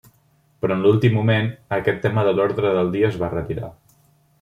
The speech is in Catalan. Però en l'últim moment, aquest tema de l'ordre del dia es va retirar.